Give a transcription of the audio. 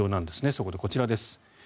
そこでこちらです。